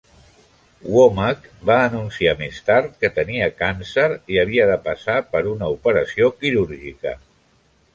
Womack va anunciar més tard que tenia càncer i havia de passar per una operació quirúrgica.